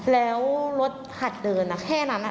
แล้วรถหัดเดินแค่นั้น